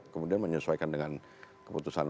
kemudian menyesuaikan dengan keputusan